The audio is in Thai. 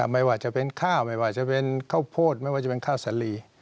ไม่ว่าจะเป็นข้าวไม่ว่าจะเป็นข้าวโพดไม่ว่าจะเป็นข้าวสาลี